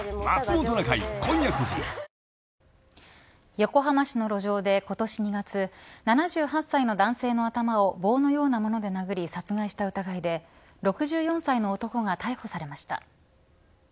横浜市の路上で今年２月７８歳の男性の頭を棒のような物で殴り殺害した疑いで６４歳の男が逮捕されました。